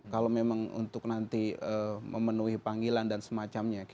kalau memang untuk nanti memenuhi panggilan dan semacamnya